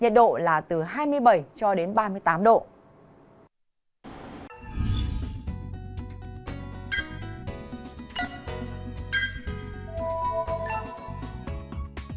nhiệt độ tại cả hai quần đảo hà nội mây thay đổi đêm không mưa ngày nắng nóng gai gắt